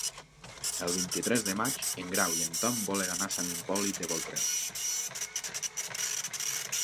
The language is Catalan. El vint-i-tres de maig en Grau i en Tom volen anar a Sant Hipòlit de Voltregà.